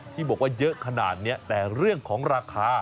ที่บอกว่าเยอะขนาดนี้แต่เรื่องของราคา